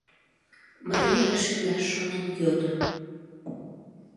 — Мария рашемдаш шонен йодо.